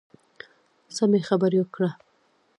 سمې خبرې کړه .